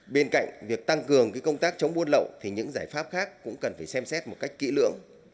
bên cạnh việc tăng cường công tác chống buôn lậu thì những giải pháp khác cũng cần phải xem xét một cách kỹ lưỡng